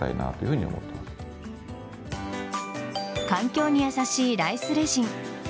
環境に優しいライスレジン。